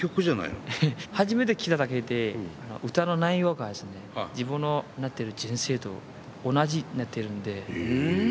初めて聴いただけで歌の内容が自分のなってる人生と同じになってるんで。